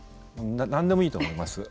何でもいいと思います。